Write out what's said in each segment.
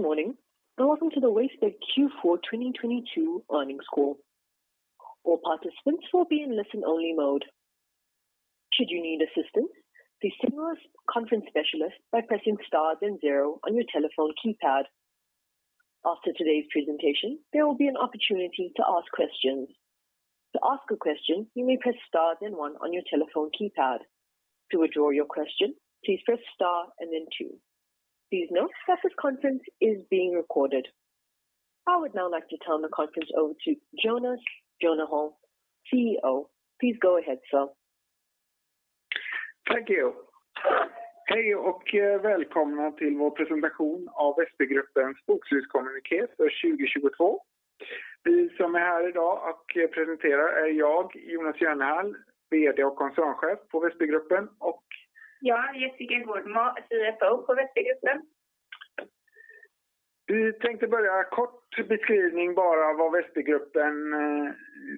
Good morning and welcome to the Wästbygg Q4 2022 earnings call. All participants will be in listen only mode. Should you need assistance, please signal us, conference specialist by pressing star then zero on your telephone keypad. After today's presentation, there will be an opportunity to ask questions. To ask a question, you may press star then one on your telephone keypad. To withdraw your question, please press star and then two. Please note that this conference is being recorded. I would now like to turn the conference over to Jonas Jönehall, CEO. Please go ahead, sir. Thank you. Hej och välkomna till vår presentation av Wästbygg Gruppens bokslutskommuniké för 2022. Vi som är här i dag att presentera är jag, Jonas Jönehall, VD och Koncernchef på Wästbygg Gruppen och... Jag är Jessica Gårdmo, CFO på Wästbygg Gruppen. Vi tänkte börja kort beskrivning bara vad Wästbygg Gruppen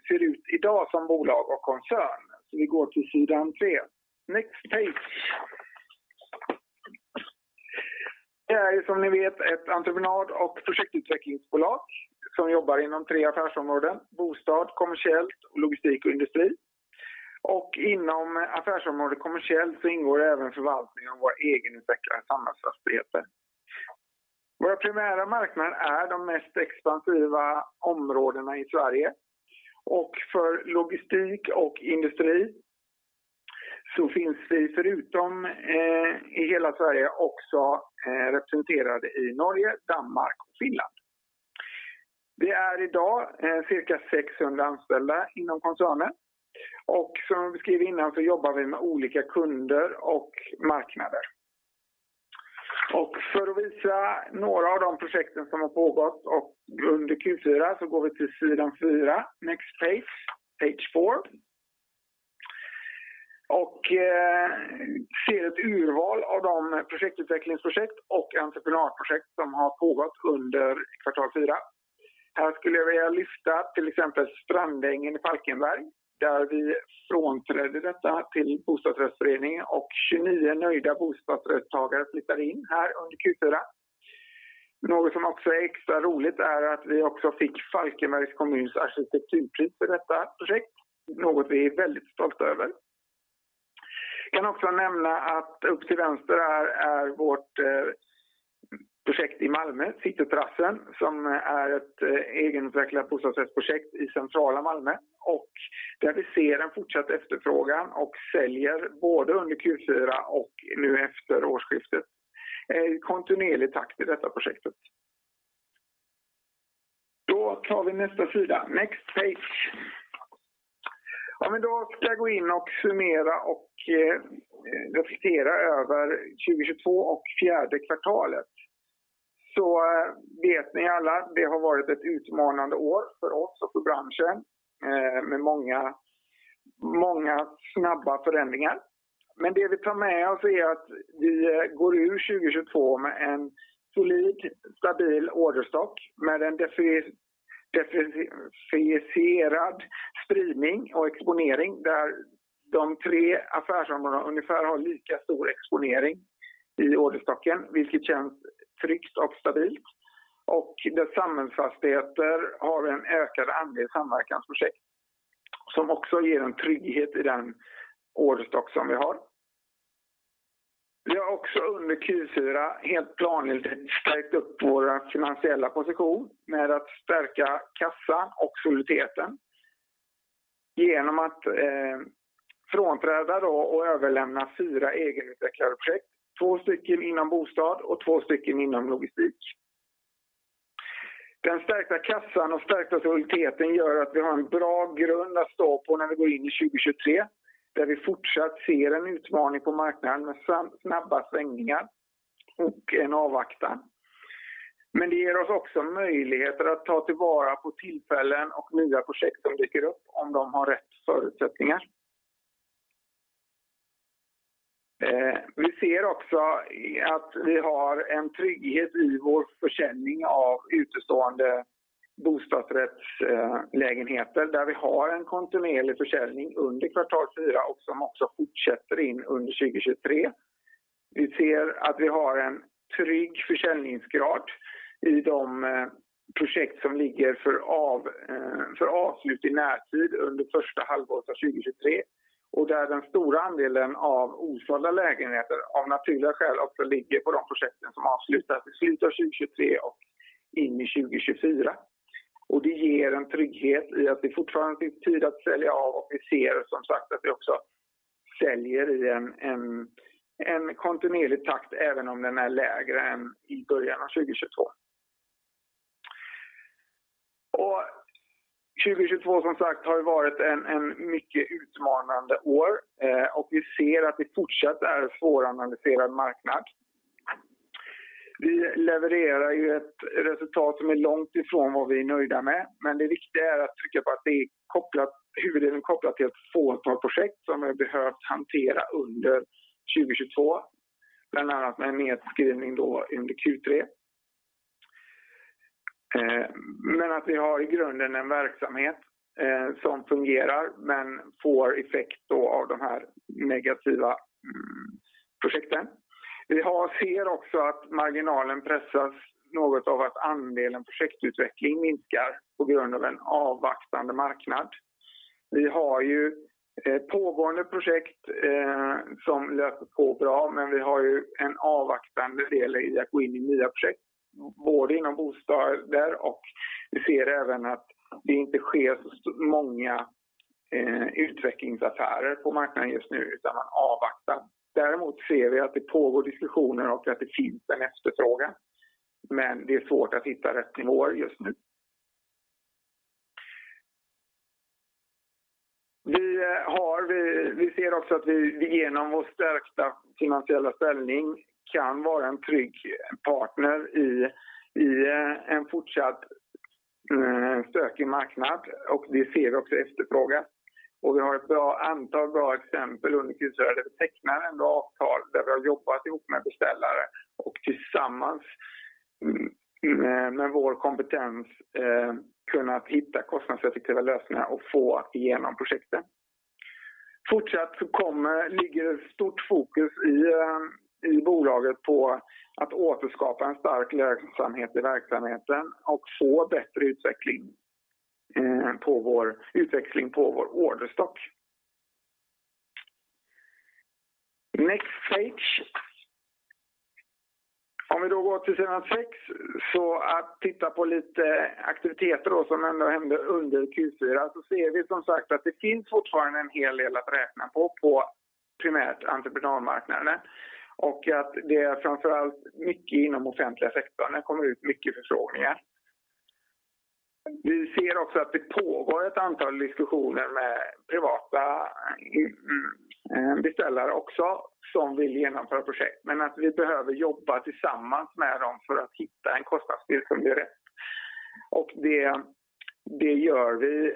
ser ut i dag som bolag och koncern. Vi går till sidan 3. Next page. Det är som ni vet ett entreprenad- och projektutvecklingsbolag som jobbar inom 3 affärsområden: Bostad, kommersiellt och logistik och industri. Inom affärsområdet kommersiellt så ingår även förvaltning av våra egenutvecklade samhällsfastigheter. Våra primära marknader är de mest expansiva områdena i Sverige. För logistik och industri så finns vi förutom i hela Sverige också representerade i Norge, Danmark och Finland. Vi är i dag cirka 600 anställda inom koncernen och som vi skrev innan så jobbar vi med olika kunder och marknader. För att visa några av de projekten som har pågått och under Q4 så går vi till sidan 4. Next page 4. Ser ett urval av de projektutvecklingsprojekt och entreprenadprojekt som har pågått under kvartal 4. Här skulle jag vilja lyfta till exempel Strandängen i Falkenberg, där vi frånträdde detta till bostadsrättsföreningen och 29 nöjda bostadsrättstagare flyttar in här under Q4. Något som också är extra roligt är att vi också fick Falkenbergs kommuns arkitekturpris för detta projekt. Något vi är väldigt stolta över. Kan också nämna att upp till vänster är vårt projekt i Malmö, Cityterrassen, som är ett egenutvecklat bostadsrättsprojekt i centrala Malmö och där vi ser en fortsatt efterfrågan och säljer både under Q4 och nu efter årsskiftet. Kontinuerlig takt i detta projektet. Då tar vi nästa sida. Next page. Ja men då ska jag gå in och summera och reflektera över 2022 och fjärde kvartalet. Så vet ni alla, det har varit ett utmanande år för oss och för branschen med många snabba förändringar. Det vi tar med oss är att vi går ur 2022 med en solid, stabil orderstock med en differentierad spridning och exponering där de 3 affärsområdena ungefär har lika stor exponering i orderstocken, vilket känns tryggt och stabilt. Där samhällsfastigheter har en ökad andel samverkansprojekt som också ger en trygghet i den orderstock som vi har. Vi har också under Q4 helt planmässigt stärkt upp vår finansiella position med att stärka kassa och soliditeten. Genom att frånträda då och överlämna 4 egenutvecklade projekt, 2 stycken inom bostad och 2 stycken inom logistik. Den stärkta kassan och stärkta soliditeten gör att vi har en bra grund att stå på när vi går in i 2023, där vi fortsatt ser en utmaning på marknaden med snabba svängningar och en avvaktan. Det ger oss också möjligheter att ta tillvara på tillfällen och nya projekt som dyker upp om de har rätt förutsättningar. Vi ser också att vi har en trygghet i vår försäljning av utestående bostadsrättslägenheter där vi har en kontinuerlig försäljning under Q4 och som också fortsätter in under 2023. Vi ser att vi har en trygg försäljningsgrad i de projekt som ligger för avslut i närtid under första halvåret av 2023 och där den stora andelen av osålda lägenheter av naturliga skäl också ligger på de projekten som avslutas i slutet av 2023 och in i 2024. Det ger en trygghet i att det fortfarande finns tid att sälja av och vi ser som sagt att vi också säljer i en kontinuerlig takt även om den är lägre än i början av 2022. 2022 som sagt har varit en mycket utmanande år och vi ser att det fortsatt är svåranalyserad marknad. Vi levererar ju ett resultat som är långt ifrån vad vi är nöjda med, men det viktiga är att trycka på att det är kopplat, huvuddelen kopplat till ett fåtal projekt som vi behövt hantera under 2022, bland annat med en nedskrivning då under Q3. Att vi har i grunden en verksamhet som fungerar men får effekt då av de här negativa projekten. Vi ser också att marginalen pressas något av att andelen projektutveckling minskar på grund av en avvaktande marknad. Vi har ju pågående projekt som löper på bra, men vi har ju en avvaktande del i att gå in i nya projekt, både inom bostäder och vi ser även att det inte sker så många utvecklingsaffärer på marknaden just nu utan man avvaktar. Vi ser att det pågår diskussioner och att det finns en efterfrågan, men det är svårt att hitta rätt nivåer just nu. Vi ser också att vi genom vår stärkta finansiella ställning kan vara en trygg partner i en fortsatt stökig marknad och vi ser också efterfrågan. Vi har ett bra antal bra exempel under Q4 där vi tecknar ändå avtal, där vi har jobbat ihop med beställare och tillsammans med vår kompetens kunnat hitta kostnadseffektiva lösningar och få igenom projekten. Fortsatt kommer, ligger ett stort fokus i bolaget på att återskapa en stark lönsamhet i verksamheten och få bättre utveckling på vår utveckling på vår orderstock. Next page. Om vi då går till sida 6 så att titta på lite aktiviteter då som ändå hände under Q4 så ser vi som sagt att det finns fortfarande en hel del att räkna på primärt entreprenadmarknaden och att det framför allt mycket inom offentliga sektorn. Det kommer ut mycket förfrågningar. Vi ser också att det pågår ett antal diskussioner med privata beställare också som vill genomföra projekt, men att vi behöver jobba tillsammans med dem för att hitta en kostnadsbild som blir rätt. Det gör vi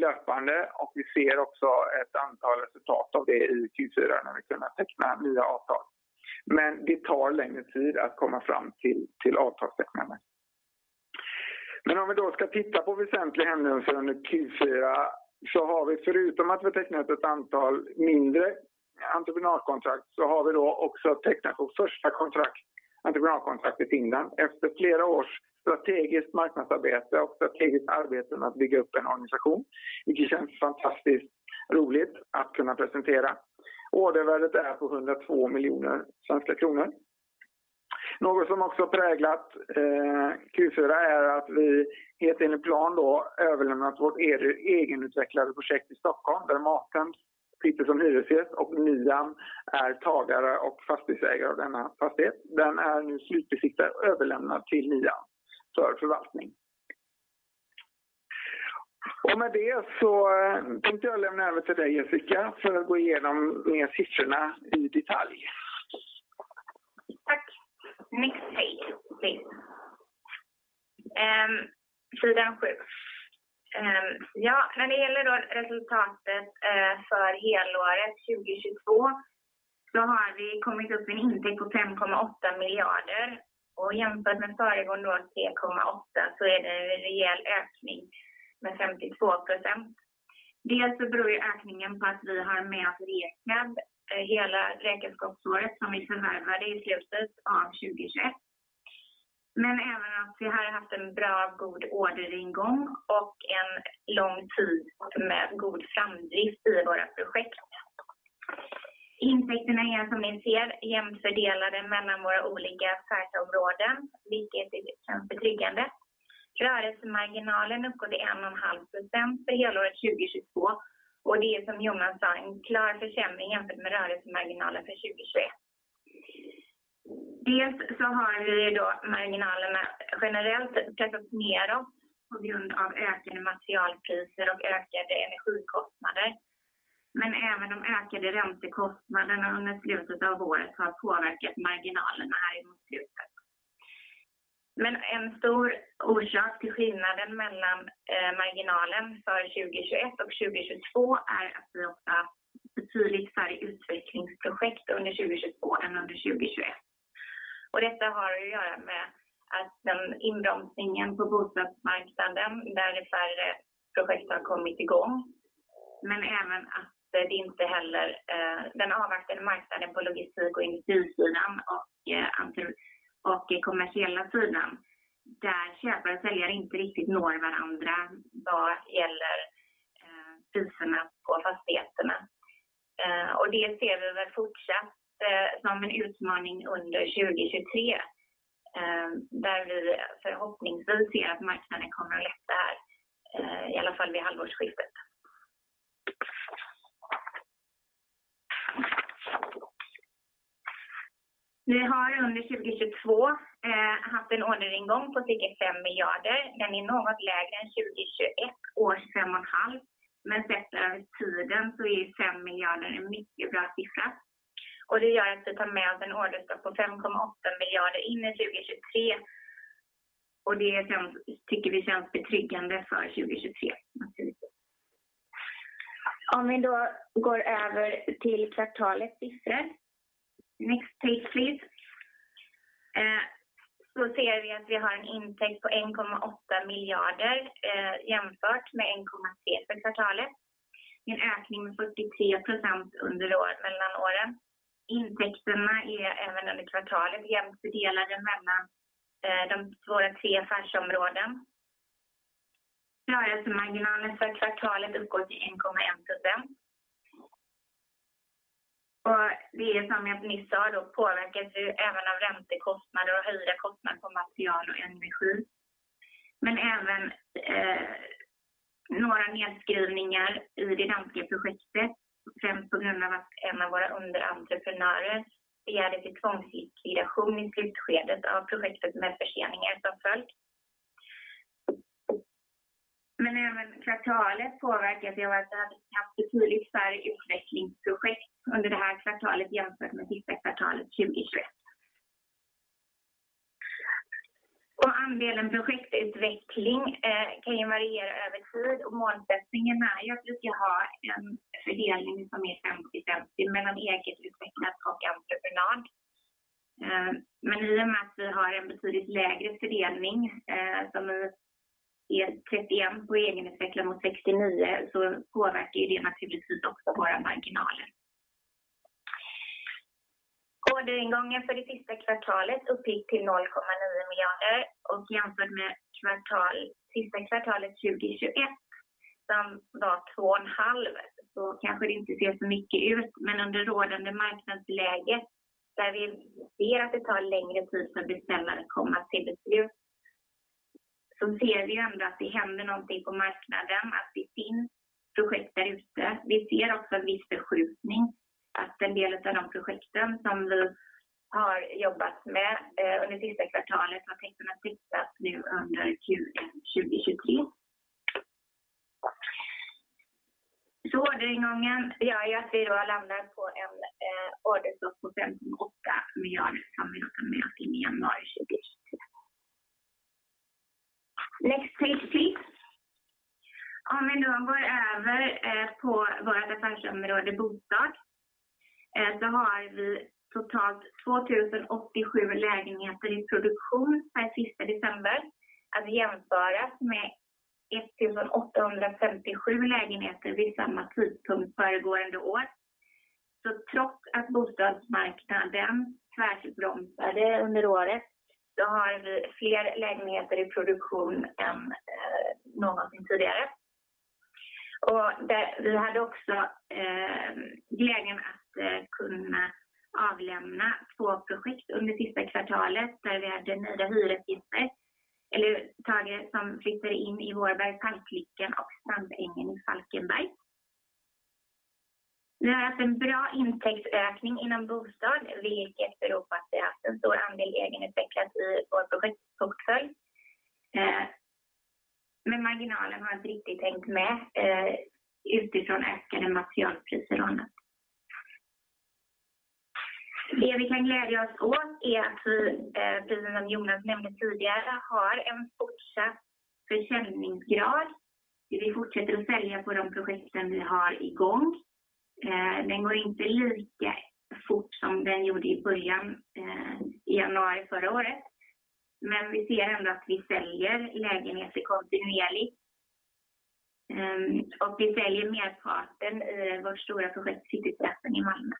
löpande och vi ser också ett antal resultat av det i Q4 när vi kunnat teckna nya avtal. Det tar längre tid att komma fram till avtalstecknande. Om vi då ska titta på väsentliga händelser under Q4, så har vi förutom att vi tecknat ett antal mindre entreprenadkontrakt, så har vi då också tecknat vårt första kontrakt, entreprenadkontrakt i Finland. Efter flera års strategiskt marknadsarbete och strategiskt arbete med att bygga upp en organisation, vilket känns fantastiskt roligt att kunna presentera. Ordervärdet är på SEK 102 million. Något som också präglat Q4 är att vi helt enligt plan då överlämnat vårt egenutvecklade projekt i Stockholm, där MatHem sitter som hyresgäst och Niam är tagare och fastighetsägare av denna fastighet. Den är nu slutbesiktad och överlämnad till Niam för förvaltning. Med det så tänkte jag lämna över till dig, Jessica, för att gå igenom mer siffrorna i detalj. Tack. Next page please. Sidan 7. När det gäller då resultatet för helåret 2022 så har vi kommit upp med en intäkt på SEK 5.8 billion och jämfört med föregående år SEK 3.8 billion så är det en rejäl ökning med 52%. Beror ju ökningen på att vi har med att räknat hela räkenskapsåret som vi förvärvade i slutet av 2021. Även att vi har haft en bra god orderingång och en lång tid med god framdrift i våra projekt. Intäkterna är som ni ser jämnt fördelade mellan våra olika affärsområden, vilket är känns betryggande. Rörelsemarginalen uppgick till 1.5% för helåret 2022. Det är som Jonas sa en klar försämring jämfört med rörelsemarginalen för 2021. Dels så har vi då marginalerna generellt pressats ner då på grund av ökande materialpriser och ökade energikostnader, men även de ökade räntekostnaderna under slutet av året har påverkat marginalerna här i mot slutet. En stor orsak till skillnaden mellan marginalen för 2021 och 2022 är att vi har haft betydligt färre utvecklingsprojekt under 2022 än under 2021. Detta har att göra med att den inbromsningen på bostadsmarknaden där det är färre projekt som kommit igång, men även att det inte heller den avvaktande marknaden på logistik- och industrisidan och kommersiella sidan. Där köpare och säljare inte riktigt når varandra vad gäller priserna på fastigheterna. Och det ser vi väl fortsatt som en utmaning under 2023, där vi förhoppningsvis ser att marknaden kommer att lätta här, i alla fall vid halvårsskiftet. Vi har under 2022 haft en orderingång på cirka SEK 5 miljarder. Den är något lägre än 2021 års SEK 5.5 miljarder, men sett över tiden så är ju SEK 5 miljarder en mycket bra siffra. Det gör att vi tar med oss en orderstock på SEK 5.8 miljarder in i 2023. Det tycker vi känns betryggande för 2023 naturligtvis. Om vi då går över till kvartalets siffror. Next page please. Vi ser att vi har en intäkt på SEK 1.8 miljarder, jämfört med SEK 1.3 miljarder för kvartalet. En ökning med 43% mellan åren. Intäkterna är även under kvartalet jämnt fördelade mellan våra tre affärsområden. Rörelsemarginalen för kvartalet uppgår till 1.1%. Det är som jag nyss sa då påverkas ju även av räntekostnader och högre kostnad på material och energi. Även några nedskrivningar i det danska projektet, främst på grund av att en av våra underentreprenörer begärde till tvångslikvidation i slutskedet av projektet med förseningar som följd. Även kvartalet påverkas av att vi haft betydligt färre utvecklingsprojekt under det här kvartalet jämfört med sista kvartalet 2021. Andelen projektutveckling kan ju variera över tid och målsättningen är ju att vi ska ha en fördelning som är 50/50 mellan eget utvecklat och entreprenad. I och med att vi har en betydligt lägre fördelning, som är 31 på egenutveckling mot 69, så påverkar ju det naturligtvis också våra marginaler. Orderingången för det sista kvartalet uppgick till SEK 0.9 billion och jämfört med sista kvartalet 2021 som var SEK 2.5 billion. Kanske det inte ser så mycket ut. Under rådande marknadsläge där vi ser att det tar längre tid för beställare att komma till beslut. Vi ser ändå att det händer någonting på marknaden, att det finns projekt där ute. Vi ser också en viss förskjutning att en del utav de projekten som vi har jobbat med under sista kvartalet var tänkta att startas nu under 2023. Orderingången gör ju att vi då landar på en orderstock på SEK 5.8 billion som vi också mötte i januari 2023. Next page please. Om vi då går över på vårat affärsområde bostad. Då har vi totalt 2,087 lägenheter i produktion per sista december. Att jämföra med 1,857 lägenheter vid samma tidpunkt föregående år. Trots att bostadsmarknaden tvärs inbromsade under året, så har vi fler lägenheter i produktion än någonsin tidigare. Där vi hade också glädjen att kunna avlämna två projekt under sista kvartalet där vi hade nya hyresgäster. Tagit som flyttar in i Vårbergstoppen och Strandängen i Falkenberg. Vi har haft en bra intäktsökning inom bostad, vilket beror på att vi haft en stor andel egenutvecklat i vår projektportfölj. Men marginalen har inte riktigt hängt med utifrån ökade materialpriser och annat. Det vi kan glädja oss åt är att vi, precis som Jonas nämnde tidigare, har en fortsatt försäljningsgrad. Vi fortsätter att sälja på de projekten vi har i gång. Den går inte lika fort som den gjorde i början, in January last year. Vi ser ändå att vi säljer lägenheter kontinuerligt. Vi säljer merparten av vårt stora projekt Cityterrassen i Malmö.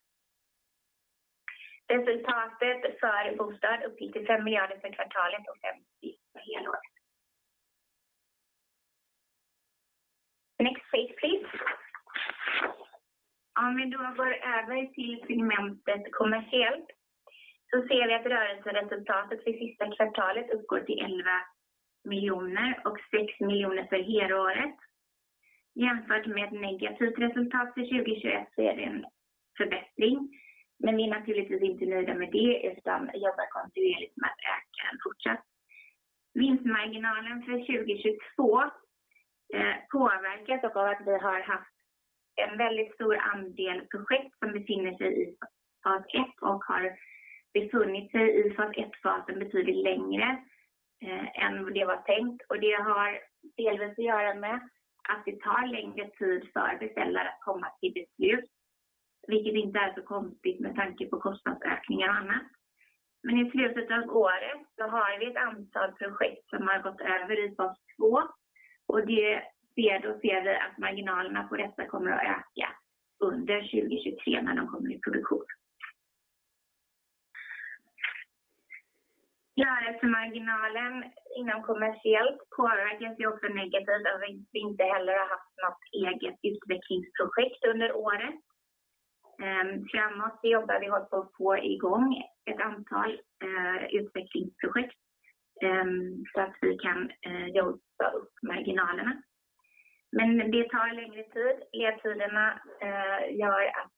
Resultatet för bostad uppgick till SEK 5 billion för kvartalet och SEK 50 billion för helåret. Next page please. Om vi då går över till segmentet kommersiellt. Ser vi att rörelseresultatet för sista kvartalet uppgår till SEK 11 million och SEK 6 million för helåret. Jämfört med ett negativt resultat för 2021 är det en förbättring. Vi är naturligtvis inte nöjda med det utan jobbar kontinuerligt med att öka den fortsatt. Vinstmarginalen för 2022 påverkas dock av att vi har haft en väldigt stor andel projekt som befinner sig i fas ett och har befunnit sig i fas ett-fasen betydligt längre än det var tänkt. Det har delvis att göra med att det tar längre tid för beställare att komma till beslut, vilket inte är så konstigt med tanke på kostnadsökningar och annat. I slutet av året har vi ett antal projekt som har gått över i fas två och det ser vi att marginalerna på detta kommer att öka under 2023 när de kommer i produktion. Rörelsemarginalen inom kommersiellt påverkas ju också negativt av att vi inte heller har haft något eget utvecklingsprojekt under året. Framåt jobbar vi och håller på att få i gång ett antal utvecklingsprojekt, så att vi kan jobba upp marginalerna. Det tar längre tid. Ledtiderna gör att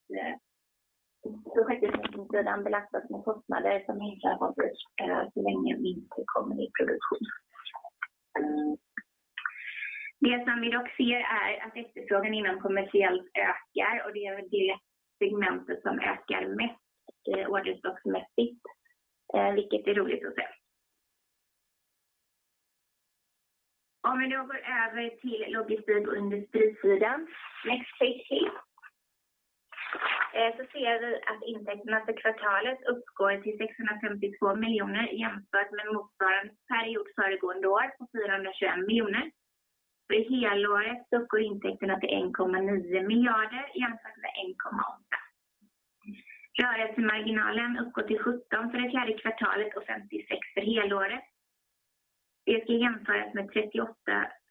projektutvecklingssidan belastas med kostnader som inte har. Om vi då går över till logistik och industrisidan. Next page please. Ser vi att intäkterna för kvartalet uppgår till SEK 652 million jämfört med motsvarande period föregående år på SEK 421 million. För helåret uppgår intäkterna till SEK 1.9 billion jämfört med SEK 1.8 billion. Rörelsemarginalen uppgår till 17% för det fourth quarter och 56% för helåret. Det ska jämföras med 38%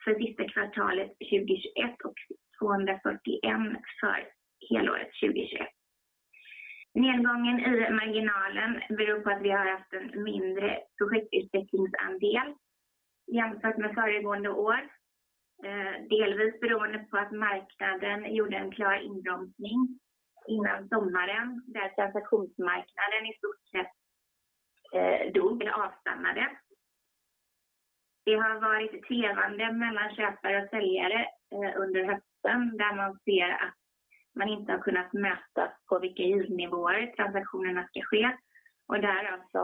för last quarter 2021 och 241% för helåret 2021. Nedgången i marginalen beror på att vi har haft en mindre projektutvecklingsandel jämfört med föregående år. delvis beroende på att marknaden gjorde en klar inbromsning innan sommaren där transaktionsmarknaden i stort sett dog eller avstannade. Det har varit tjevande mellan köpare och säljare under hösten, där man ser att man inte har kunnat mötas på vilka yieldnivåer transaktionerna ska ske. därav så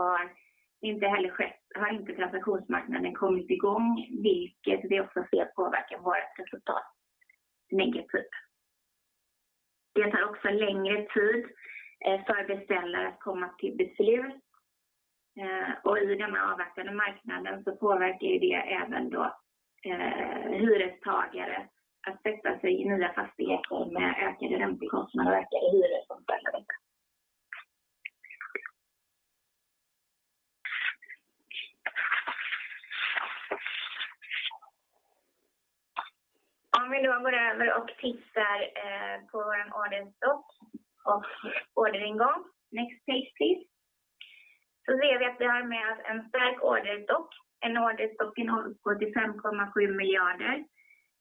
har inte transaktionsmarknaden kommit i gång, vilket vi också ser påverkar vårt resultat negativt. Det tar också längre tid för beställare att komma till beslut. i denna avvaktande marknaden så påverkar ju det även då hyrestagare att sätta sig i nya fastigheter med ökade räntekostnader och ökade hyror som följd av det. Vi då går över och tittar på vår orderstock och orderingång. Next page please. Ser vi att vi har med oss en stark orderstock. En orderstock som uppgår till SEK 5.7 billion.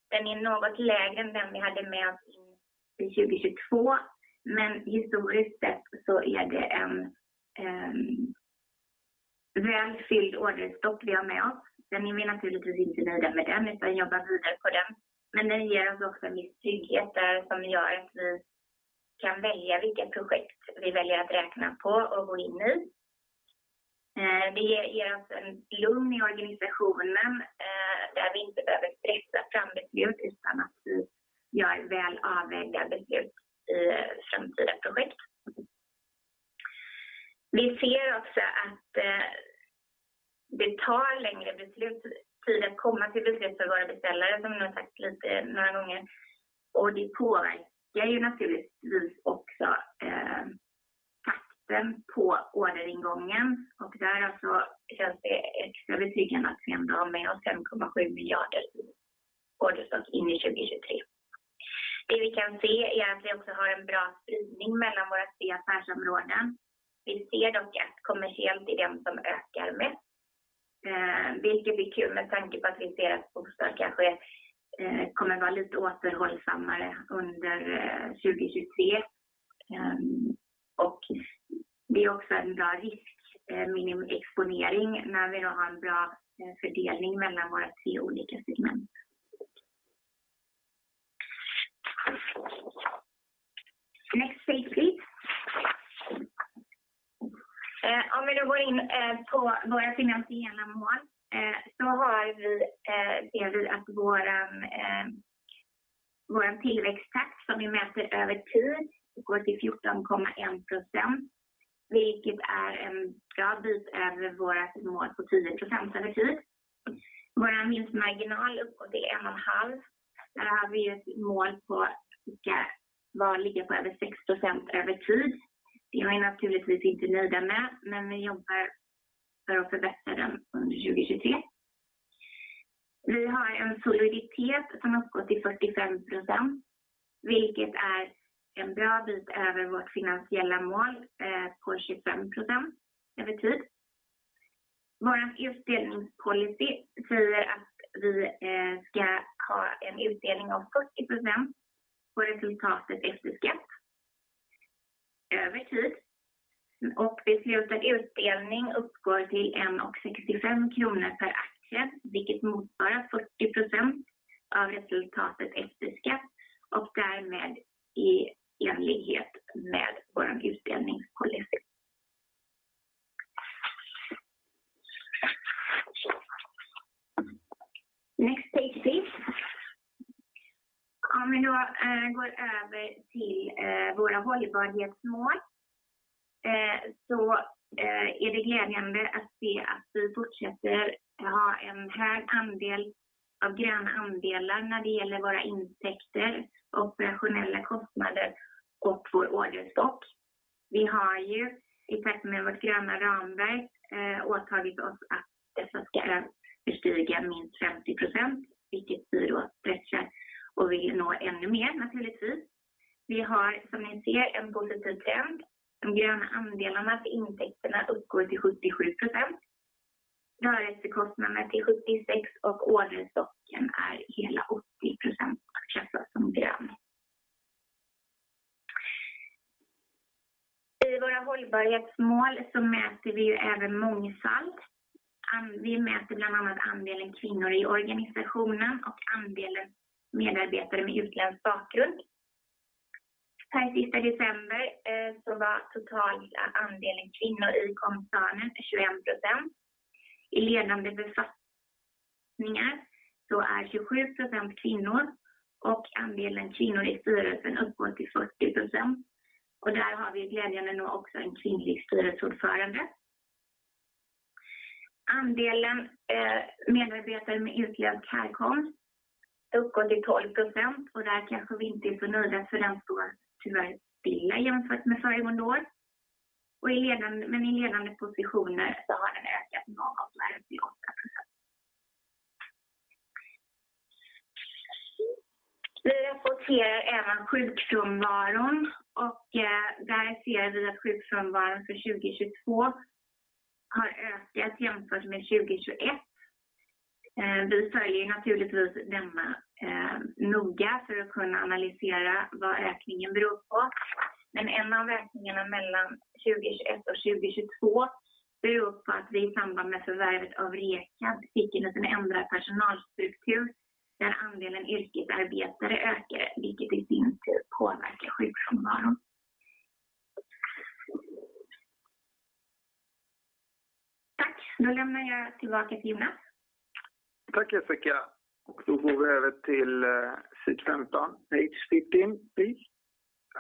Den är något lägre än den vi hade med oss in i 2022, historiskt sett så är det en välfylld orderstock vi har med oss. Den är vi naturligtvis inte nöjda med den utan jobbar vidare på den. Den ger oss också en viss trygghet där som gör att vi kan välja vilka projekt vi väljer att räkna på och gå in i. Det ger oss en lugn i organisationen, där vi inte behöver stressa fram beslut utan att vi gör väl avvägda beslut i framtida projekt. Vi ser också att det tar längre beslutstid att komma till beslut för våra beställare som jag sagt lite några gånger. Det påverkar ju naturligtvis också takten på orderingången. Där alltså känns det extra betryggande att vi ändå har med oss SEK 5.7 billion i orderstock in i 2023. Det vi kan se är att vi också har en bra spridning mellan våra tre affärsområden. Vi ser dock att kommersiellt är den som ökar mest, vilket blir kul med tanke på att vi ser att bostad kanske kommer vara lite återhållsammare under 2023. Det är också en bra risk minimiexponering när vi då har en bra fördelning mellan våra tre olika segment. Next page please. Om vi då går in på våra finansiella mål, så har vi, ser du att våran tillväxttakt som vi mäter över tid uppgår till 14.1%, vilket är en bra bit över vårat mål på 10% över tid. Våran vinstmarginal uppgår till 1.5%. Där har vi ett mål på ska vara och ligga på över 6% över tid. Det är vi naturligtvis inte nöjda med, men vi jobbar för att förbättra den under 2023. Vi har en soliditet som uppgår till 45%, vilket är en bra bit över vårt finansiella mål på 25% över tid. Våran utdelningspolicy säger att vi ska ha en utdelning om 40% på resultatet efter skatt över tid. Beslutad utdelning uppgår to SEK 1.65 per aktie, vilket motsvarar 40% av resultatet efter skatt och därmed i enlighet med vår utdelningspolicy. Next page please. Om vi då går över till våra hållbarhetsmål, så är det glädjande att se att vi fortsätter ha en hög andel av gröna andelar när det gäller våra intäkter, operationella kostnader och vår orderstock. Vi har ju i takt med vårt gröna ramverk åtagit oss att dessa ska överstiga minst 50%, vilket vi då sträcker och vill nå ännu mer naturligtvis. Vi har, som ni ser, en positiv trend. De gröna andelarna för intäkterna uppgår till 77%. Driftskostnaderna till 76% och orderstocken är hela 80% klassad som grön. I våra hållbarhetsmål mäter vi även mångfald. Vi mäter bland annat andelen kvinnor i organisationen och andelen medarbetare med utländsk bakgrund. December 31 var total andelen kvinnor i koncernen 21%. I ledande befattningar är 27% kvinnor och andelen kvinnor i styrelsen uppgår till 40%. Där har vi glädjande nog också en kvinnlig styrelseordförande. Andelen medarbetare med utländsk härkomst uppgår till 12% och där kanske vi inte är för nöjda för den står tyvärr stilla jämfört med föregående år. I ledande positioner så har den ökat något till 8%. Vi rapporterar även sjukfrånvaron och där ser vi att sjukfrånvaron för 2022 har ökat jämfört med 2021. Vi följer naturligtvis denna noga för att kunna analysera vad ökningen beror på. En av ökningarna mellan 2021 och 2022 beror på att vi i samband med förvärvet av Rekab fick en ändrad personalstruktur där andelen yrkesarbetare ökar, vilket i sin tur påverkar sjukfrånvaron. Tack, då lämnar jag tillbaka till Jonas. Tack Jessica. Då går vi över till sid 15, page 15 please,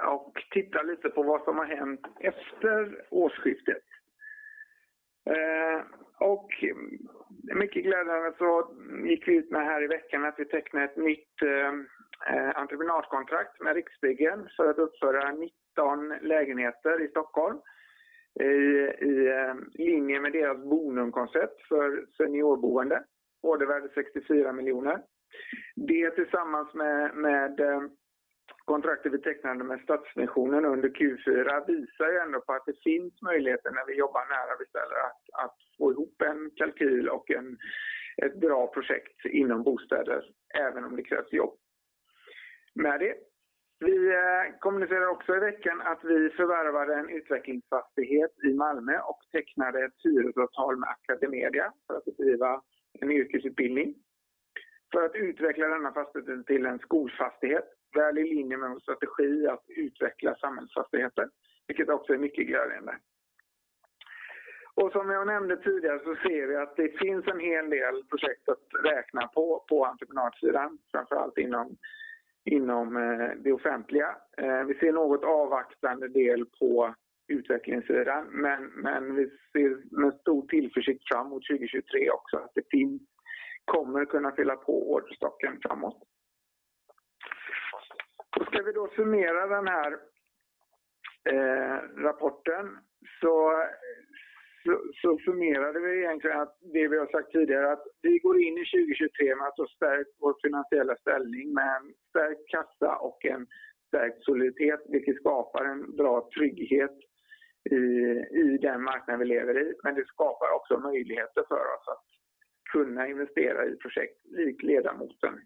och tittar lite på vad som har hänt efter årsskiftet. Mycket glädjande så gick vi ut med här i veckan att vi tecknar ett nytt entreprenadkontrakt med Riksbyggen för att uppföra 19 lägenheter i Stockholm i linje med deras Bonum-koncept för seniorboende. Ordervärde SEK 64 million. Det tillsammans med kontrakten vi tecknade med Stadsmissionen under Q4 visar ju ändå på att det finns möjligheter när vi jobbar nära beställare att få ihop en kalkyl och ett bra projekt inom bostäder, även om det krävs jobb. Med det, vi kommunicerar också i veckan att vi förvärvade en utvecklingsfastighet i Malmö och tecknade ett hyresavtal med AcadeMedia för att bedriva en yrkesutbildning. För att utveckla denna fastigheten till en skolfastighet. Väl i linje med vår strategi att utveckla samhällsfastigheter, vilket också är mycket glädjande. Som jag nämnde tidigare så ser vi att det finns en hel del projekt att räkna på entreprenadsidan, framför allt inom det offentliga. Vi ser något avvaktande del på utvecklingssidan, men vi ser med stor tillförsikt fram mot 2023 också att det kommer kunna fylla på orderstocken framåt. Ska vi då summera den här rapporten. Summerar vi egentligen att det vi har sagt tidigare att vi går in i 2023 med att förstärkt vår finansiella ställning med en stärkt kassa och en stärkt soliditet, vilket skapar en bra trygghet i den marknaden vi lever i. Det skapar också möjligheter för oss att kunna investera i projekt likt Ledarmoteln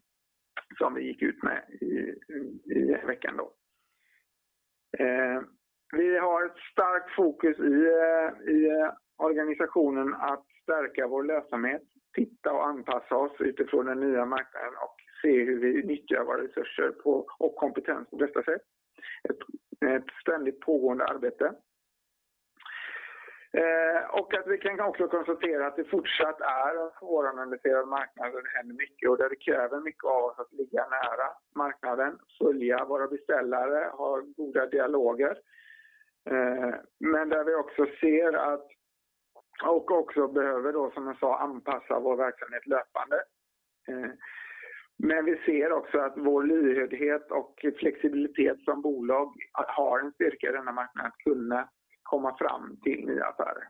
som vi gick ut med i veckan då. Vi har ett starkt fokus i organisationen att stärka vår lönsamhet, titta och anpassa oss utifrån den nya marknaden och se hur vi nyttjar våra resurser och kompetens på bästa sätt. Ett ständigt pågående arbete. Att vi kan också konstatera att det fortsatt är en föränderlig marknad där det händer mycket och där det kräver mycket av oss att ligga nära marknaden, följa våra beställare, ha goda dialoger. Där vi också ser att också behöver då som jag sa anpassa vår verksamhet löpande. Vi ser också att vår lyhördhet och flexibilitet som bolag har en styrka i denna marknad att kunna komma fram till nya affärer.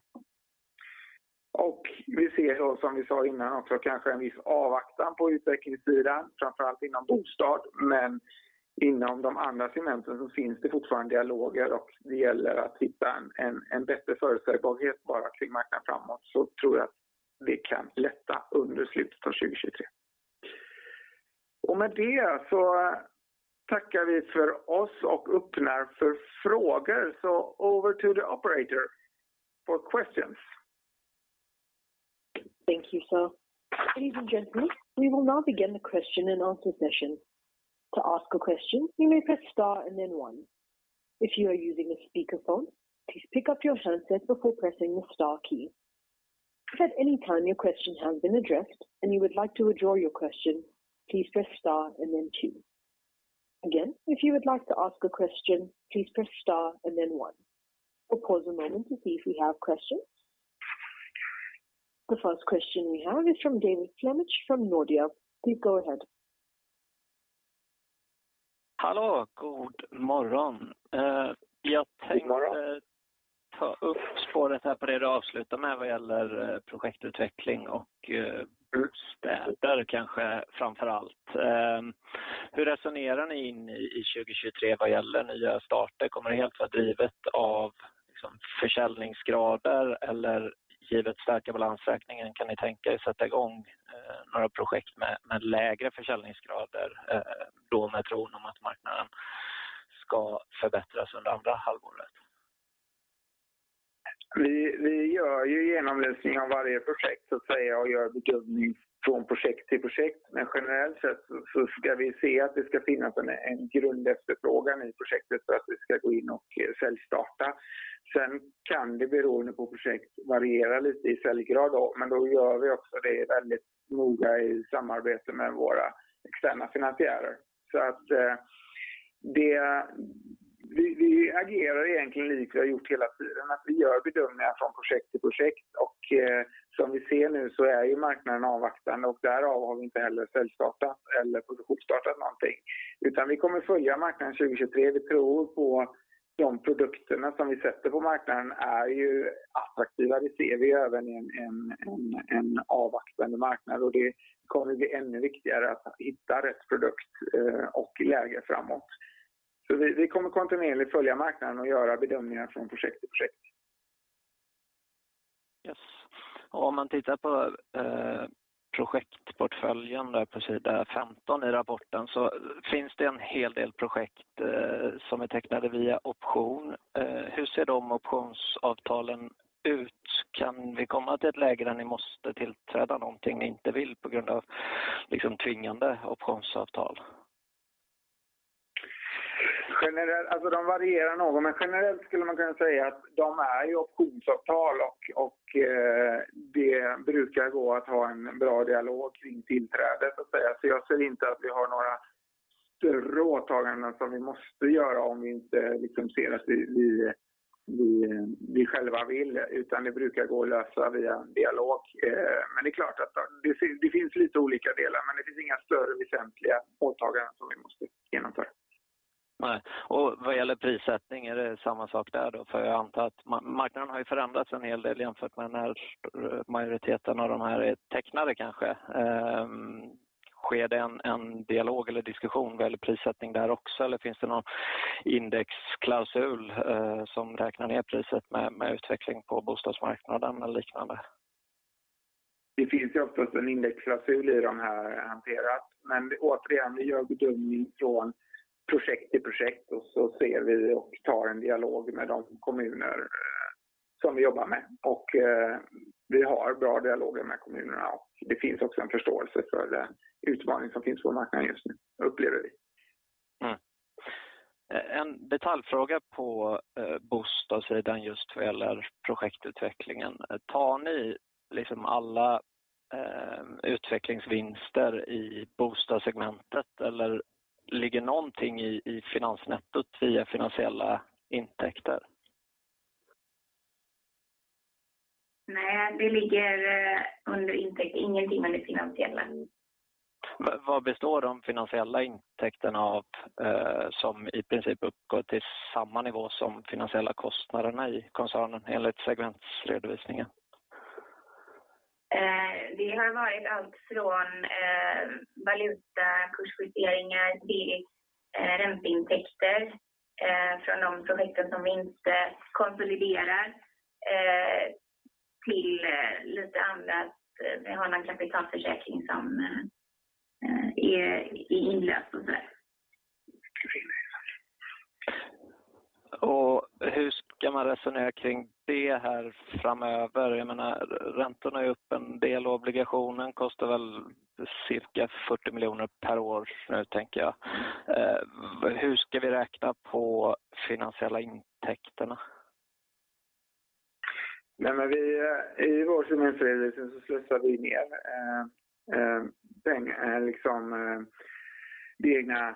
Vi ser då som vi sa innan också kanske en viss avvaktan på utvecklingssidan, framför allt inom bostad. Inom de andra segmenten så finns det fortfarande dialoger och det gäller att hitta en bättre förutsägbarhet bara kring marknaden framåt så tror jag att det kan lätta under slutet av 2023. Med det så tackar vi för oss och öppnar för frågor. Over to the operator for questions. Thank you sir. Ladies and gentlemen, we will now begin the question and answer session. To ask a question, you may press star and then 1. If you are using a speakerphone, please pick up your handset before pressing the star key. If at any time your question has been addressed and you would like to withdraw your question, please press star and then 2. Again, if you would like to ask a question, please press star and then 1. We'll pause a moment to see if we have questions. The first question we have is from David Flemmich from Nordea. Please go ahead. Hallå, god morgon. Jag tänkte ta upp spåret här på det du avslutar med vad det gäller projektutveckling och bostäder kanske framför allt. Hur resonerar ni in i 2023 vad gäller nya starter? Kommer det helt vara drivet av försäljningsgrader eller givet starka balansräkningen? Kan ni tänka er sätta i gång några projekt med lägre försäljningsgrader? Med tron om att marknaden ska förbättras under andra halvåret. Vi gör ju genomläsning av varje projekt så att säga och gör bedömning från projekt till projekt. Generellt sett så ska vi se att det ska finnas en grundefterfrågan i projektet för att vi ska gå in och säljstarta. Kan det beroende på projekt variera lite i säljgrad då, men då gör vi också det väldigt noga i samarbete med våra externa finansiärer. Det, vi agerar egentligen likt vi har gjort hela tiden. Vi gör bedömningar från projekt till projekt och som vi ser nu så är ju marknaden avvaktande och därav har vi inte heller säljstartat eller produktstartat någonting. Vi kommer följa marknaden 2023. Vi tror på de produkterna som vi sätter på marknaden är ju attraktiva. Det ser vi även i en avvaktande marknad och det kommer bli ännu viktigare att hitta rätt produkt och läge framåt. Vi kommer kontinuerligt följa marknaden och göra bedömningar från projekt till projekt. Yes. Om man tittar på projektportföljen där på sida 15 i rapporten så finns det en hel del projekt som är tecknade via option. Hur ser de optionsavtalen ut? Kan vi komma till ett läge där ni måste tillträda någonting ni inte vill på grund av liksom tvingande optionsavtal? Generellt, alltså de varierar något, men generellt skulle man kunna säga att de är ju optionsavtal och det brukar gå att ha en bra dialog kring tillträde så att säga. Jag ser inte att vi har några större åtaganden som vi måste göra om vi inte liksom ser att vi själva vill, utan det brukar gå att lösa via en dialog. Det är klart att det finns lite olika delar, men det finns inga större väsentliga åtaganden som vi måste genomföra. Nej, vad gäller prissättning är det samma sak där då? Jag antar att marknaden har ju förändrats en hel del jämfört med när majoriteten av de här är tecknade kanske. Sker det en dialog eller diskussion vad gäller prissättning där också? Finns det någon indexklausul som räknar ner priset med utveckling på bostadsmarknaden eller liknande? Det finns oftast en indexklausul i de här hanterat, men återigen, vi gör bedömning från projekt till projekt och så ser vi och tar en dialog med de kommuner som vi jobbar med. Vi har bra dialoger med kommunerna. Det finns också en förståelse för utmaning som finns på marknaden just nu. Upplever vi. En detaljfråga på bostadssidan just vad gäller projektutvecklingen. Tar ni liksom alla utvecklingsvinster i bostadssegmentet eller ligger någonting i finansnettot via finansiella intäkter? Nej, det ligger under intäkt, ingenting under finansiella. Vad består de finansiella intäkterna av, som i princip uppgår till samma nivå som finansiella kostnaderna i koncernen enligt segmentsredovisningen? Det har varit allt från valutakursjusteringar till ränteintäkter från de projekten som vi inte konsoliderar, till lite annat. Vi har någon kapitalförsäkring som är inlöst och sådär. Hur ska man resonera kring det här framöver? Jag menar räntorna är ju upp en del och obligationen kostar väl cirka SEK 40 million per år nu tänker jag. Hur ska vi räkna på finansiella intäkterna? Vi, i vår segmentredovisning så slussar vi ner pengar, liksom, det egna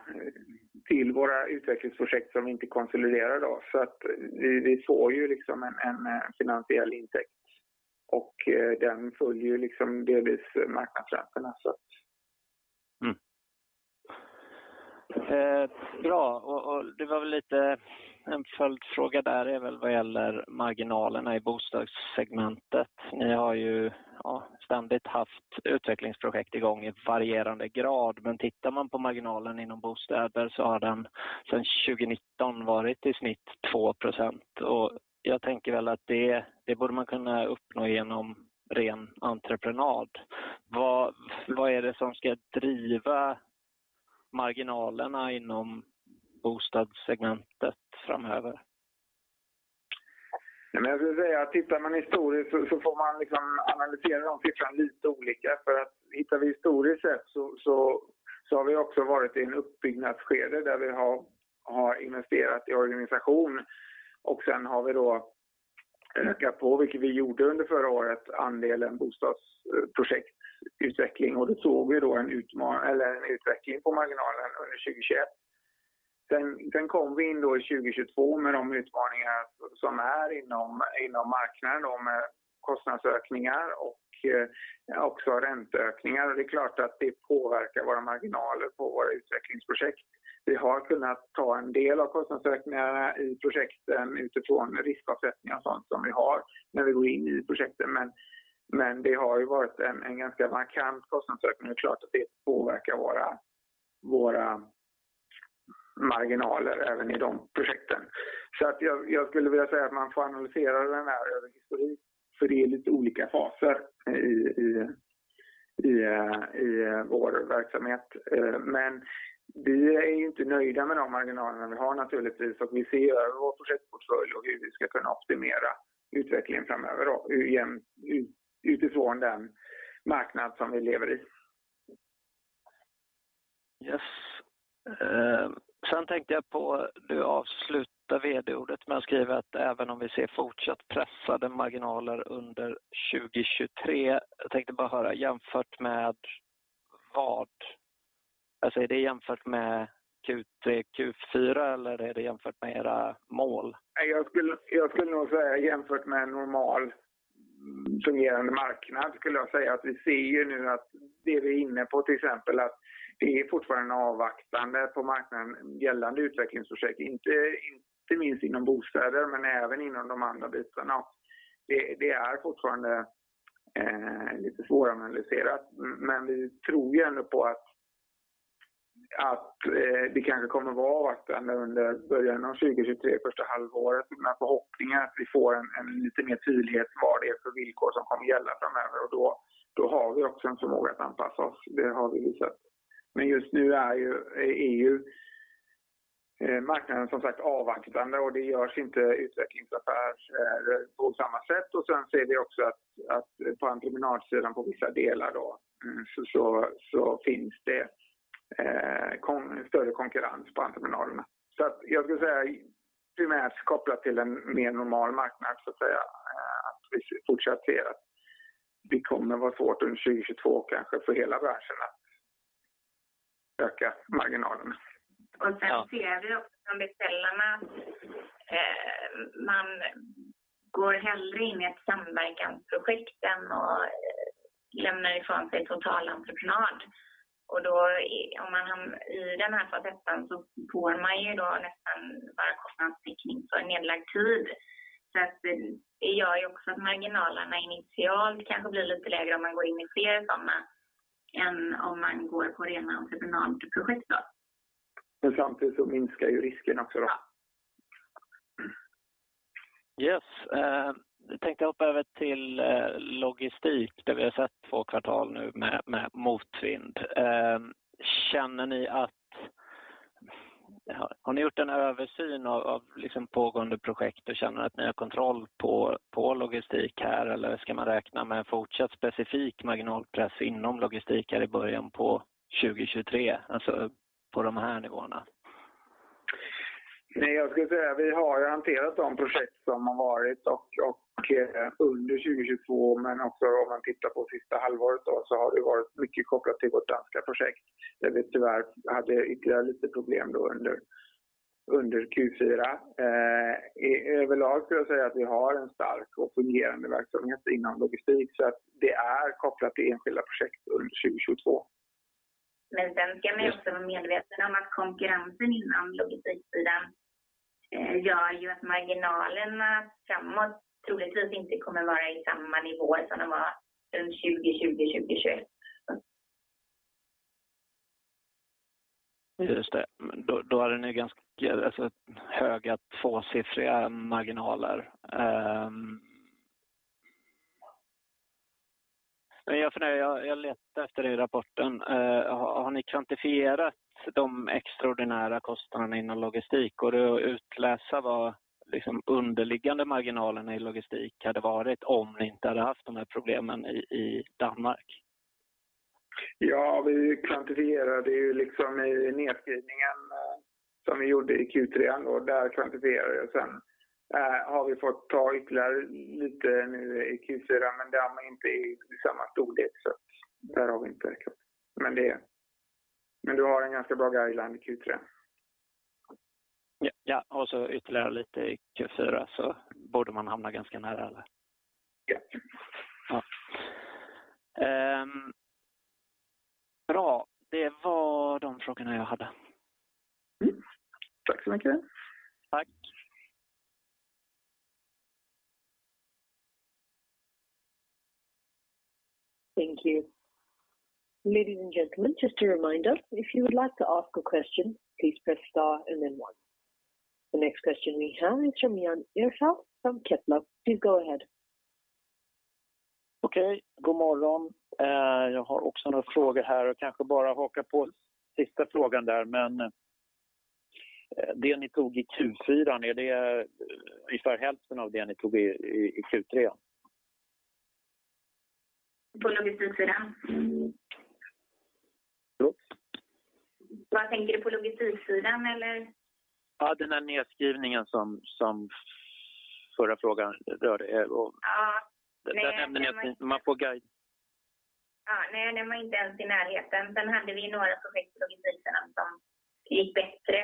till våra utvecklingsprojekt som vi inte konsoliderar då. Vi såg ju liksom en finansiell intäkt och den följer ju liksom delvis marknadsräntorna så att. Bra. Det var väl lite en följdfråga där är väl vad gäller marginalerna i bostadssegmentet. Ni har ju, ja, ständigt haft utvecklingsprojekt igång i varierande grad, men tittar man på marginalen inom bostäder så har den sen 2019 varit i snitt 2%. Jag tänker väl att det borde man kunna uppnå igenom ren entreprenad. Vad är det som ska driva marginalerna inom bostadssegmentet framöver? Jag skulle vilja säga att tittar man historiskt så får man liksom analysera de siffran lite olika. Tittar vi historiskt sett så har vi också varit i en uppbyggnadsskede där vi har investerat i organisation. Sen har vi då ökat på, vilket vi gjorde under förra året, andelen bostadsprojekt utveckling. Då såg vi då en eller en utveckling på marginalen under 2021. Kom vi in då i 2022 med de utmaningarna som är inom marknaden då med kostnadsökningar och också ränteökningar. Det är klart att det påverkar våra marginaler på våra utvecklingsprojekt. Vi har kunnat ta en del av kostnadsökningarna i projekten utifrån riskavsättningar och sådant som vi har när vi går in i projekten. Det har ju varit en ganska markant kostnadsökning. Det är klart att det påverkar våra marginaler även i de projekten. Jag skulle vilja säga att man får analysera den här över historik för det är lite olika faser i vår verksamhet. Vi är inte nöjda med de marginalerna vi har naturligtvis och vi ser över vår projektportfölj och hur vi ska kunna optimera utvecklingen framöver. Utifrån den marknad som vi lever i. Yes. Tänkte jag på, du avslutar vd-ordet med att skriva att även om vi ser fortsatt pressade marginaler under 2023. Jag tänkte bara höra jämfört med vad? Är det jämfört med Q3, Q4 eller är det jämfört med era mål? Jag skulle nog säga jämfört med en normal fungerande marknad skulle jag säga att vi ser ju nu att det vi är inne på till exempel att det är fortfarande avvaktande på marknaden gällande utvecklingsprojekt. Inte minst inom bostäder, men även inom de andra bitarna. Det är fortfarande lite svåranalyserat, men vi tror ju ändå på att det kanske kommer vara avvaktande under början av 2023, första halvåret. Med förhoppningar att vi får en lite mer tydlighet vad det är för villkor som kommer gälla framöver. Då har vi också en förmåga att anpassa oss. Det har vi visat. Men just nu är ju marknaden som sagt avvaktande och det görs inte utvecklingsaffärer på samma sätt. Och sen ser vi också att på entreprenadsidan på vissa delar då så finns det större konkurrens på entreprenaderna. Jag skulle säga primärt kopplat till en mer normal marknad så att säga. Att vi fortsatt ser att det kommer vara svårt under 2022 kanske för hela branschen att öka marginalerna. Sen ser vi också från beställarna att man går hellre in i ett samverkansprojekt än och lämnar ifrån sig totalentreprenad. Då, om man hamnar i den här facetten så får man ju då nästan bara kostnadstilläckning för nedlagd tid. Det gör ju också att marginalerna initialt kanske blir lite lägre om man går in i fler sådana än om man går på rena entreprenadprojekt då. Samtidigt så minskar ju risken också då. Ja. Yes, jag tänkte hoppa över till logistik där vi har sett två kvartal nu med motvind. Känner ni att... Har ni gjort en översyn av liksom pågående projekt och känner att ni har kontroll på logistik här? Eller ska man räkna med fortsatt specifik marginalpress inom logistik här i början på 2023? Alltså på de här nivåerna. Nej, jag skulle säga vi har hanterat de projekt som har varit och under 2022, men också om man tittar på sista halvåret då så har det varit mycket kopplat till vårt danska projekt. Där vi tyvärr hade ytterligare lite problem då under Q4. Överlag skulle jag säga att vi har en stark och fungerande verksamhet inom logistik. Det är kopplat till enskilda projekt under 2022. Sen ska man också vara medveten om att konkurrensen inom logistiksidan gör ju att marginalerna framåt troligtvis inte kommer vara i samma nivå som de var under 2020 och 2021. Just det. Då var det nu ganska höga tvåsiffriga marginaler. Jag funderar, jag letar efter det i rapporten. Har ni kvantifierat de extraordinära kostnaderna inom logistik? Går det att utläsa vad liksom underliggande marginalerna i logistik hade varit om ni inte hade haft de här problemen i Danmark? Vi kvantifierade ju liksom i nedskrivningen som vi gjorde i Q3 då. Där kvantifierade jag. Har vi fått ta ytterligare lite nu i Q4, men det hamnar inte i samma storlek. Där har vi inte. Du har en ganska bra guideline i Q3. Ytterligare lite i Q4 så borde man hamna ganska nära eller? Ja. Ja. Bra. Det var de frågorna jag hade. Tack så mycket. Tack. Thank you. Ladies and gentlemen, just a reminder. If you would like to ask a question, please press star and then 1. The next question we have is from Jan Ihrfelt from Kepler. Please go ahead. Okay, god morgon. Jag har också några frågor här och kanske bara haka på sista frågan där. Det ni tog i Q4, är det ungefär hälften av det ni tog i Q3? På logistiksidan? Va? Tänker du på logistiksidan eller? Ja, den där nedskrivningen som förra frågan rörde. Ja. Den där nämnde ni att ni var på guide. Ja, nej, den var inte ens i närheten. Hade vi några projekt på logistiksidan som gick bättre.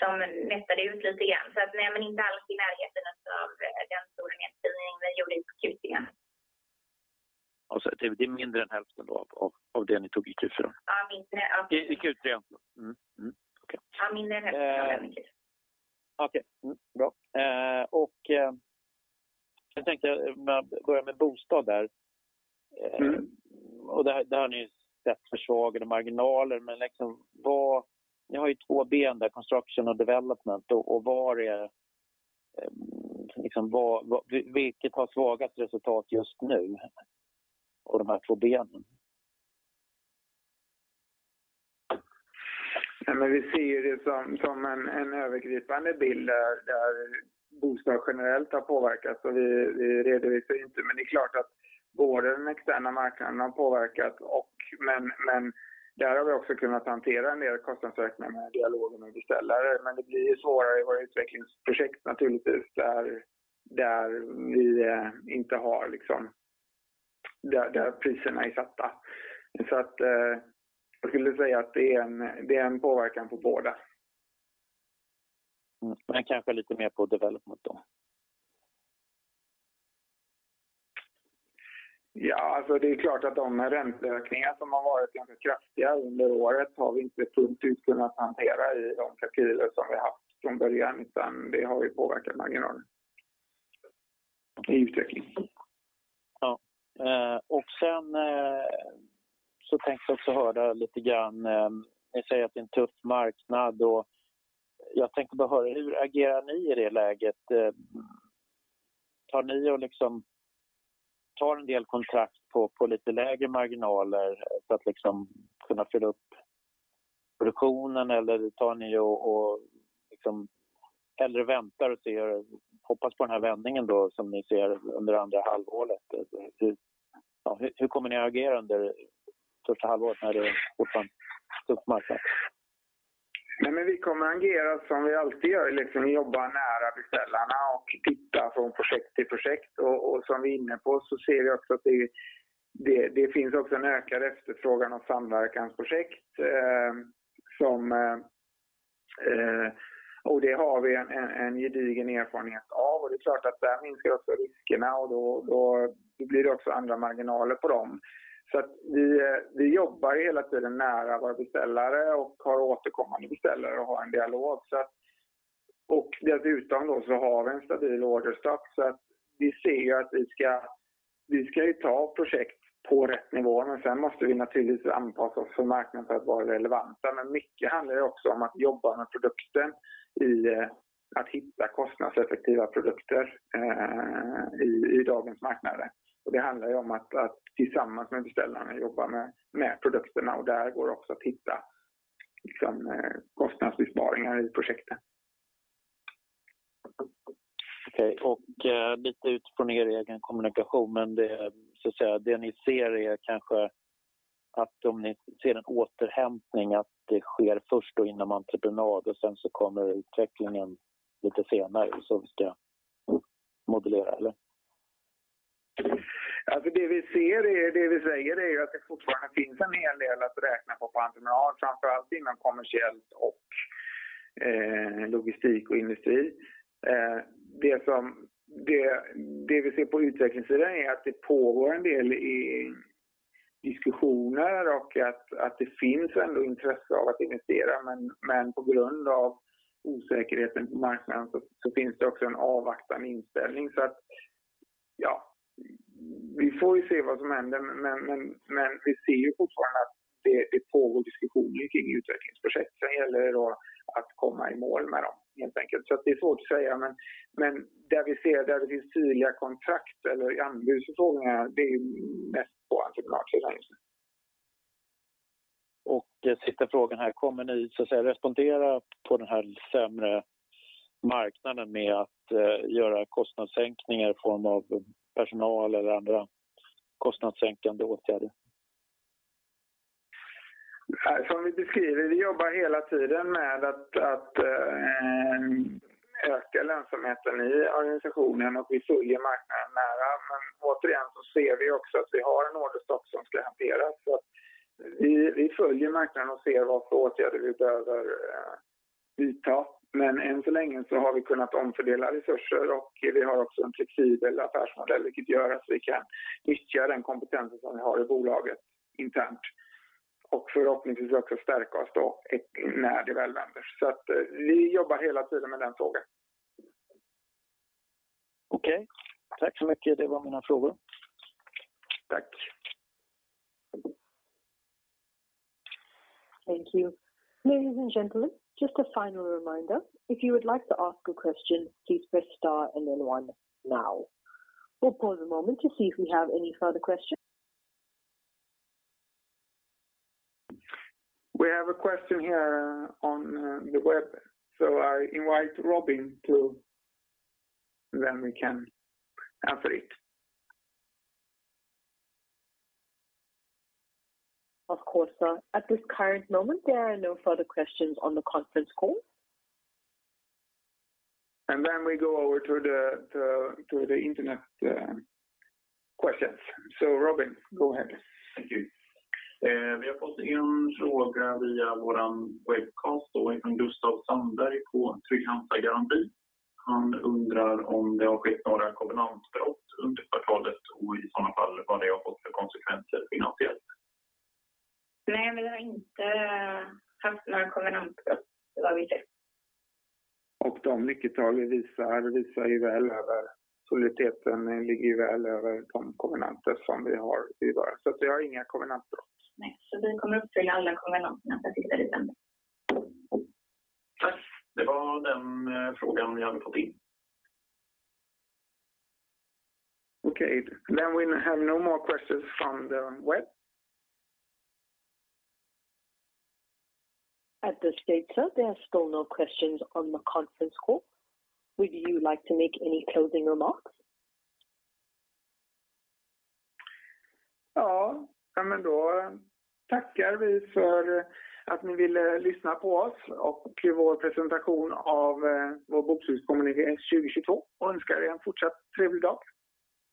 De nätade ut lite grann. Nej, men inte alls i närheten av den stora nedskrivning vi gjorde i Q3. Alltså det är mindre än hälften då av det ni tog i Q4? Ja mindre. I Q3 alltså. Mm. Okej. Mindre än hälften. Ja, det är det. Okej, bra. Jag tänkte börja med bostad där. Mm. Där har ni sett försvagade marginaler. Liksom ni har ju två ben där, construction och development. Var är, liksom var, vilket har svagast resultat just nu av de här två benen? Vi ser det som en övergripande bild där bostad generellt har påverkats. Vi redovisar inte. Det är klart att både den externa marknaden har påverkat och. Där har vi också kunnat hantera en del kostnadsökningar med dialogen med beställare. Det blir ju svårare i våra utvecklingsprojekt naturligtvis, där vi inte har liksom. Där priserna är satta. Jag skulle säga att det är en påverkan på båda. Kanske lite mer på development då? Ja, alltså det är klart att de ränteökningar som har varit ganska kraftiga under året har vi inte fullt ut kunnat hantera i de kalkyler som vi haft från början. Det har ju påverkat marginalen i utveckling. Ja. Sen så tänkte jag också höra lite grann. Ni säger att det är en tuff marknad och jag tänkte bara höra: hur agerar ni i det läget? Tar ni och liksom tar en del kontrakt på lite lägre marginaler för att liksom kunna fylla upp produktionen? Tar ni och liksom hellre väntar och ser, hoppas på den här vändningen då som ni ser under andra halvåret? Ja, hur kommer ni agera under första halvåret när det är fortfarande tuff marknad? Nej, men vi kommer agera som vi alltid gör, liksom jobba nära beställarna och titta från projekt till projekt. Som vi är inne på så ser vi också att det finns också en ökad efterfrågan av samverkansprojekt. Och det har vi en gedigen erfarenhet av och det är klart att där minskar också riskerna och då blir det också andra marginaler på dem. Vi jobbar hela tiden nära våra beställare och har återkommande beställare och har en dialog. Och dessutom då så har vi en stabil orderstock. Vi ser att vi ska ju ta projekt på rätt nivåer, men sen måste vi naturligtvis anpassa oss för marknaden för att vara relevanta. Mycket handlar ju också om att jobba med produkten i att hitta kostnadseffektiva produkter i dagens marknad. Det handlar ju om att tillsammans med beställarna jobba med produkterna och där går det också att hitta liksom kostnadsbesparingar i projekten. Okej, och lite utifrån er egen kommunikation. Det, så att säga, det ni ser är kanske att om ni ser en återhämtning, att det sker först då inom entreprenad och sen så kommer utvecklingen lite senare. Ska jag modulera eller? Det vi ser är, det vi säger är att det fortfarande finns en hel del att räkna på på entreprenad, framför allt inom kommersiellt och logistik och industri. Det vi ser på utvecklingssidan är att det pågår en del i diskussioner och att det finns ändå intresse av att investera. På grund av osäkerheten på marknaden finns det också en avvaktande inställning. Vi får ju se vad som händer. Vi ser ju fortfarande att det pågår diskussioner kring utvecklingsprojekt. Gäller det då att komma i mål med dem helt enkelt. Det är svårt att säga. Där vi ser, där det finns tydliga kontrakt eller anbudsförfrågningar, det är mest på entreprenadsidan just nu. Sista frågan här: kommer ni så att säga respondera på den här sämre marknaden med att göra kostnadssänkningar i form av personal eller andra kostnadssänkande åtgärder? Nej, som vi beskriver, vi jobbar hela tiden med att öka lönsamheten i organisationen och vi följer marknaden nära. Återigen så ser vi också att vi har en orderstock som ska hanteras. Vi följer marknaden och ser vad för åtgärder vi behöver vidta. Än så länge så har vi kunnat omfördela resurser och vi har också en flexibel affärsmodell, vilket gör att vi kan nyttja den kompetensen som vi har i bolaget internt och förhoppningsvis också stärka oss då när det väl vänder. Vi jobbar hela tiden med den frågan. Okej, tack så mycket. Det var mina frågor. Tack. Thank you. Ladies and gentlemen, just a final reminder. If you would like to ask a question, please press star and then one now. We'll pause a moment to see if we have any further question. We have a question here on the web, so I invite Robin to then we can answer it. Of course, sir. At this current moment, there are no further questions on the conference call. We go over to the internet questions. Robin, go ahead. Thank you. Vi har fått in en fråga via våran webcast då ifrån Gustav Sandberg på Trygg-Hansa Garanti. Han undrar om det har skett några kovenantbrott under kvartalet och i sådana fall vad det har fått för konsekvenser finansiellt. Nej, vi har inte haft några kovenantbrott vad vi ser. De nyckeltal vi visar ju väl över soliditeten, ligger väl över de kovenanter som vi har givare. Vi har inga kovenantbrott. Nej, vi kommer uppfylla alla kovenanter när jag tittar ut än. Tack. Det var den frågan vi hade fått in. Okay. We have no more questions from the web. At this stage, sir, there are still no questions on the conference call. Would you like to make any closing remarks? Tackar vi för att ni ville lyssna på oss och till vår presentation av vår bokslutskommuniké 2022 och önskar er en fortsatt trevlig dag.